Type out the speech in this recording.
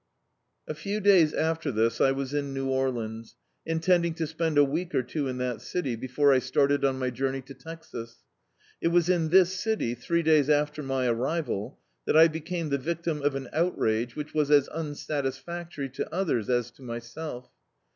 A few days after this, I was in New Orleans, in tending to spend a week or two in that city, before I started on my journey to Texas. It was in this city, three days after my arrival, that I became the victim of an outrage which was as unsatisfactory to others as to m}^elf.